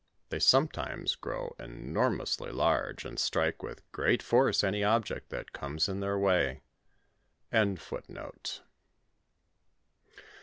They sometimes grow enormously large, and strike with great force any object that comes in theur way. — F. 2 'lit . 'Ii!